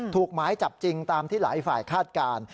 หมายจับจริงตามที่หลายฝ่ายคาดการณ์